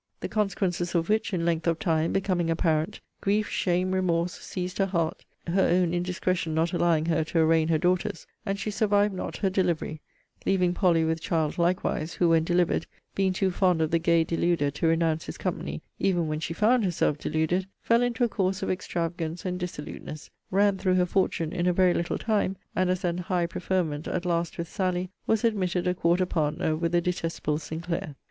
The consequences of which, in length of time, becoming apparent, grief, shame, remorse, seized her heart, (her own indiscretion not allowing her to arraign her daughter's,) and she survived not her delivery, leaving Polly with child likewise; who, when delivered, being too fond of the gay deluder to renounce his company, even when she found herself deluded, fell into a course of extravagance and dissoluteness; ran through her fortune in a very little time, and, as an high preferment, at last, with Sally, was admitted a quarter partner with the detestable Sinclair.